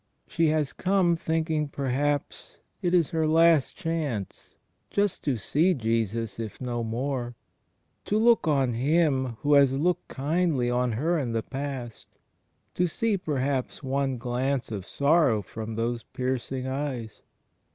She has come, think ing perhaps it is her last chance — just to see Jesus, if no more, to look on Him who has looked kindly on her in the past, to see perhaps one glance of sorrow from those piercing eyes.